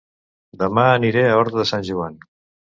Dema aniré a Horta de Sant Joan